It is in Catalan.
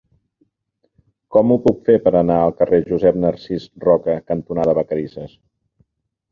Com ho puc fer per anar al carrer Josep Narcís Roca cantonada Vacarisses?